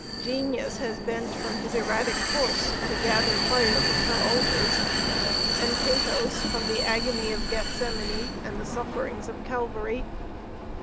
Genius has bent from his erratic course to gather fire from her altars, and pathos from the agony of Gethsemane and the sufferings of Calvary.